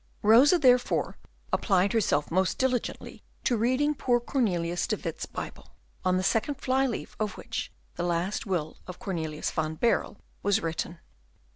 Rosa therefore applied herself most diligently to reading poor Cornelius de Witt's Bible, on the second fly leaf of which the last will of Cornelius van Baerle was written.